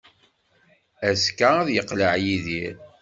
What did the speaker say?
Azekka ara yeqleɛ Yidir.